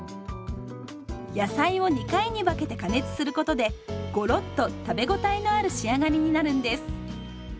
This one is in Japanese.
野菜を２回に分けて加熱することでゴロッと食べごたえのある仕上がりになるんです。